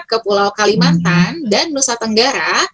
ke pulau kalimantan dan nusa tenggara